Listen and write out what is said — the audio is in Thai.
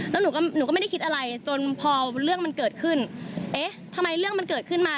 แล้วหนูก็หนูก็ไม่ได้คิดอะไรจนพอเรื่องมันเกิดขึ้นเอ๊ะทำไมเรื่องมันเกิดขึ้นมา